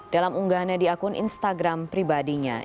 dalam unggahannya di akun instagram pribadinya